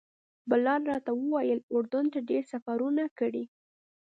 بلال راته وویل اردن ته ډېر سفرونه کړي.